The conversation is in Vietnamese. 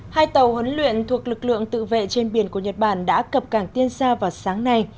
hai tàu huấn luyện thuộc lực lượng tự vệ trên biển của nhật bản đã cập cảng tiên xa vào sáng nay